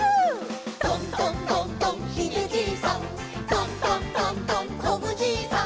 「トントントントンこぶじいさん」